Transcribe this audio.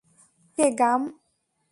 ওকে - গাম?